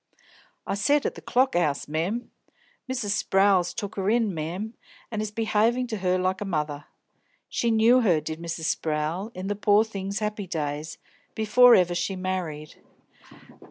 "I said at the Clock 'Ouse, mem. Mrs. Sprowl's took her in, mem, and is be'avin' to her like a mother. She knew her, did Mrs. Sprowl, in the pore thing's 'appy days, before ever she married.